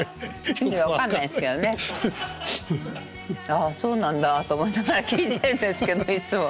ああそうなんだと思いながら聞いてんですけどいつも。